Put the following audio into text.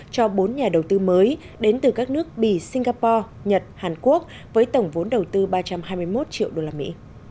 cho bốn nhà đầu tư mới đến từ các nước bỉ singapore nhật hàn quốc với tổng vốn đầu tư ba trăm hai mươi một triệu đô la mỹ